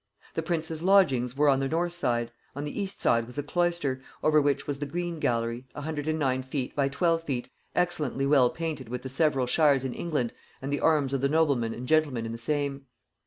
The prince's lodgings were on the north side; on the east side was a cloister, over which was the green gallery, 109 feet by 12 feet, 'excellently well painted with the several shires in England and the arms of the noblemen and gentlemen in the same.'